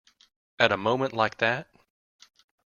At a moment like that?